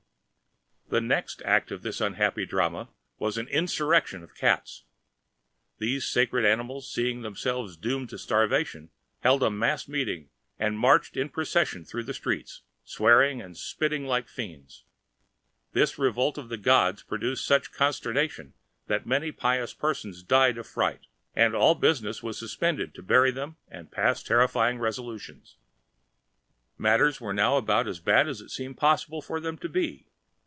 The next act of this unhappy drama was an insurrection of cats. These sacred animals, seeing themselves doomed to starvation, held a mass meeting and marched in procession through the streets, swearing and spitting like fiends. This revolt of the gods produced such consternation that many pious persons died of fright and all business was suspended to bury them and pass terrifying resolutions. Matters were now about as bad as it seemed possible for them to be.